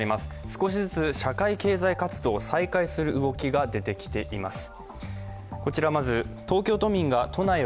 少しずつ社会・経済活動再開する動きが出てきています。